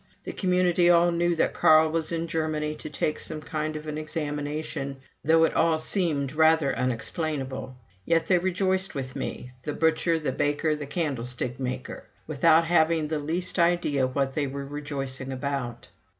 The community all knew that Carl was in Germany to take some kind of an examination, though it all seemed rather unexplainable. Yet they rejoiced with me, the butcher, the baker, the candlestick maker, without having the least idea what they were rejoicing about.